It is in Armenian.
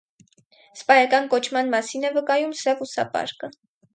Սպայական կոչման մասին է վկայում սև ուսակապը։